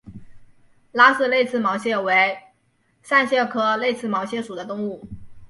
拉氏泪刺毛蟹为扇蟹科泪刺毛蟹属的动物。